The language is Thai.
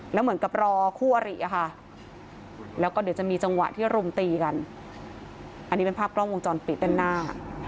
แล้วเหมือนกับรอคู่อริค่ะแล้วก็เดี๋ยวจะมีจังหวะที่รุมตีกันอันนี้เป็นภาพกล้องวงจรปิดด้านหน้า